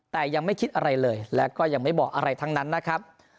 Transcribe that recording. แต่ยังไม่คิดอะไรเลยแล้วก็ยังไม่บอกอะไรทั้งนั้นนะครับ